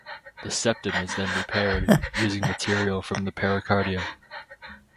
The septum is then repaired, using material from the pericardium.